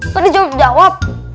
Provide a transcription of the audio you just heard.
kau di jawab jawab